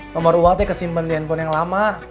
nomor wang tadi kesimpan di handphone yang lama